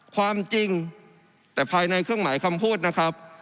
ความจริงแต่ภายในเครื่องหมายคำพูดนะครับ